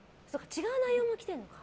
違う内容も来てるのか。